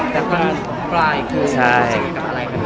รักรุ่นติดตอนปลายคือเป็นอะไร